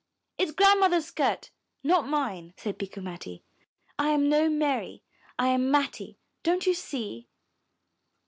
*' 'It's Grandmother's skirt, and not mine," said Bikku Matti. '1 am no Mary, I am Matti, don't you see?"